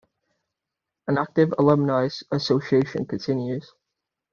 An active alumnae association continues.